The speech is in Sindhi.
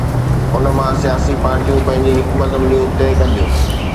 ان مان سياسي پارٽيون پنهنجون حڪمت عمليون طئي ڪنديون.